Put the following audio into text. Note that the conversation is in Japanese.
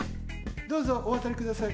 どうぞおわたりください。